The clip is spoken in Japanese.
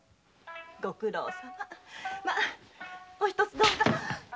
ご苦労様まおひとつどうぞ。